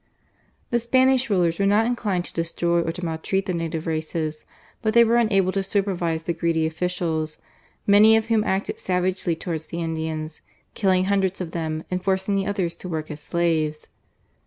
The Spanish rulers were not inclined to destroy or to maltreat the native races, but they were unable to supervise the greedy officials, many of whom acted savagely towards the Indians, killing hundreds of them and forcing the others to work as slaves.